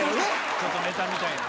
ちょっとネタみたいな。